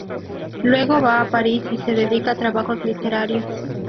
Luego va a París y se dedica a trabajos literarios.